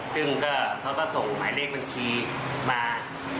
ซึ่งเขาก็ส่งหมายเลขบัญชีมา